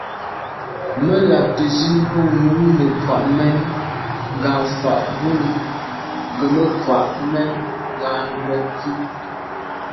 Mə́ làptə̀ zín bú nùúm mə́ krwàá’ mɛ̂n ngà fa’ bú gə̀ mə́ krwàá’ mɛ̂n ngà ndɔ́ gí.